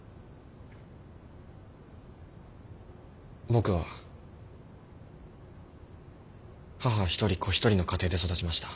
僕は母一人子一人の家庭で育ちました。